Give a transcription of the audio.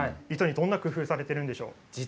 どんな工夫をされているんでしょう？